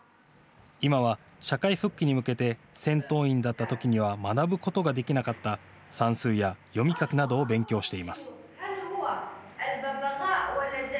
いまは社会復帰に向けて戦闘員だったときには学ぶことができなかった算数や読み書きなどを勉強しています。